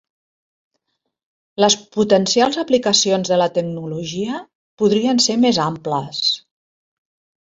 Les potencials aplicacions de la tecnologia podrien ser més amples.